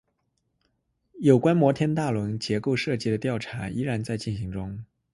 有关摩天大楼结构设计的调查依然在进行中。